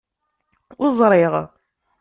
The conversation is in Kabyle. Ur ẓriɣ.